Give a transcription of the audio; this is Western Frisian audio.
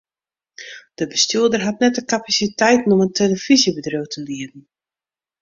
De bestjoerder hat net de kapasiteiten om in telefyzjebedriuw te lieden.